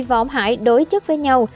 và ông hải đối chức với nhau